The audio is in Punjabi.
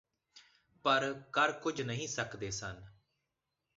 ਪਰ ਕਰ ਕੁਝ ਨਹੀਂ ਸਕਦੇ ਸਨ